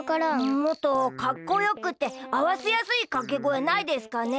もっとかっこよくてあわせやすいかけごえないですかね？